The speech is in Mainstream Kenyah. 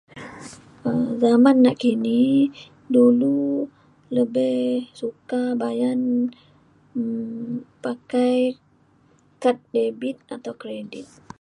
um zaman nakini ilu lebih suka bayan um pakai kad debit atau kredit.